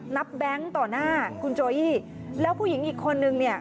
แบงค์ต่อหน้าคุณโจอี้แล้วผู้หญิงอีกคนนึงเนี่ย